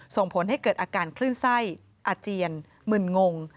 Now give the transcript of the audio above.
ส่งผลให้เกิดอาการคลื่นไส้อาเจียนมึนงง